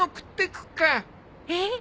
えっ！？